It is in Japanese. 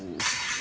何！？